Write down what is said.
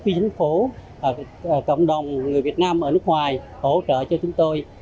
quỹ chính phố cộng đồng người việt nam ở nước ngoài hỗ trợ cho chúng tôi